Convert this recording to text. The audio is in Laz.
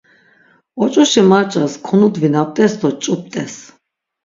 Oç̆uşi març̆as konudvinaptes do ç̆up̆t̆es.